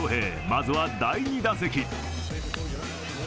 まずは第２打席。